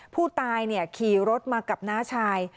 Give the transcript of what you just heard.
ผู้ตายขี่รถมากับน้าชาย